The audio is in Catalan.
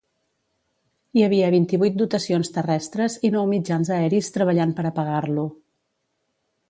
Hi havia vint-i-vuit dotacions terrestres i nou mitjans aeris treballant per apagar-lo.